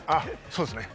そうですね